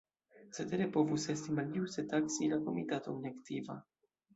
Cetere povus esti maljuste taksi la Komitaton neaktiva.